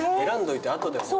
選んどいて後で。